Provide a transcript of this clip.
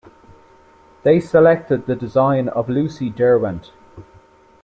They selected the design of Lucy Derwent.